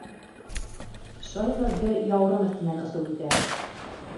Шайба гел яурын өҫтөнән осоп үтә.